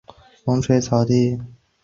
现任男友为马来西亚演员盛天俊。